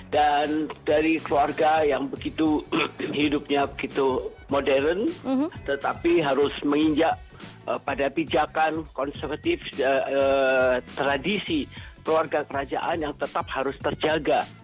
dan dari keluarga yang begitu hidupnya begitu modern tetapi harus menginjak pada pijakan konservatif tradisi keluarga kerajaan yang tetap harus terjaga